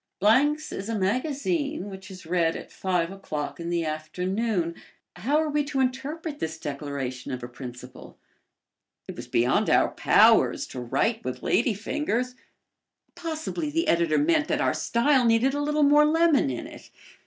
"Blank's is a magazine which is read at five o'clock in the afternoon." How were we to interpret this declaration of a principle? It was beyond our powers to write with ladyfingers. Possibly the editor meant that our style needed a little more lemon in it.